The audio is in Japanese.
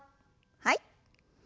はい。